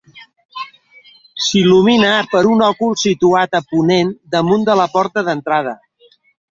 S'il·lumina per un òcul situat a ponent damunt de la porta d'entrada.